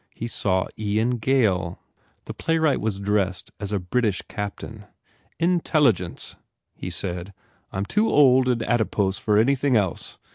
He saw Ian Gail. The playwright was dressed as a British captain. "Intelligence," he said, "I m too old and adipose for anything else.